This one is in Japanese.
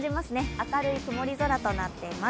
明るい曇り空となっています。